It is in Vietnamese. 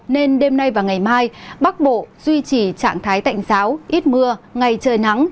nên đêm nay và ngày mai bắc bộ duy trì trạng thái tạnh giáo ít mưa ngày trời nắng